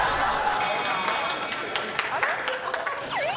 あれ？